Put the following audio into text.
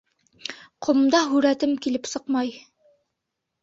-Ҡомда һүрәтем килеп сыҡмай.